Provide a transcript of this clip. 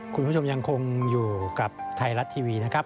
คุณผู้ชมยังคงอยู่กับไทยรัฐทีวีนะครับ